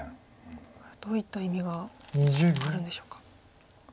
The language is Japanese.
これはどういった意味があるんでしょうか。